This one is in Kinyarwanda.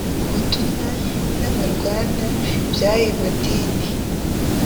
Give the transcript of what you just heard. ubutumwa n'amarwara by'ayo madini